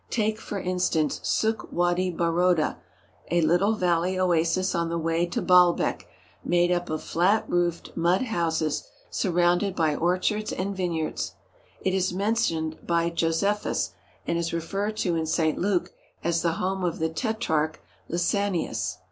Take, for instance, Suk Wady Baroda, a little valley oasis on the way to Baalbek made up of flat roofed mud houses surrounded by orchards and vineyards. It is mentioned by Josephus and is referred to in St. Luke as the home of the tetrarch Lysanias.